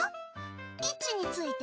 位置について。